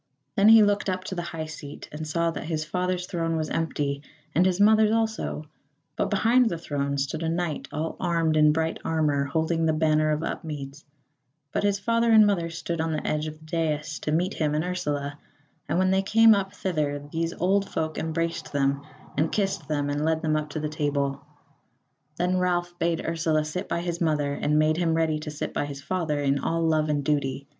Then he looked up to the high seat, and saw that his father's throne was empty, and his mother's also; but behind the throne stood a knight all armed in bright armour holding the banner of Upmeads; but his father and mother stood on the edge of the dais to meet him and Ursula; and when they came up thither these old folk embraced them and kissed them and led them up to the table. Then Ralph bade Ursula sit by his mother, and made him ready to sit by his father in all love and duty.